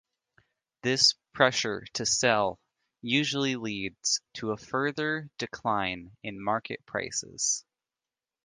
This pressure to sell usually leads to a further decline in market prices.